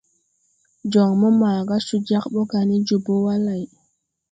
Jon mo maga co jāg bɔ ga ne jòbō wa lay.